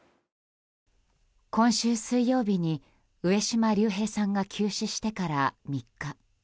今週水曜日に上島竜兵さんが急死してから３日。